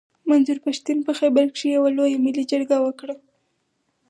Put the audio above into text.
منظور پښتين په خېبر کښي يوه لويه ملي جرګه وکړه.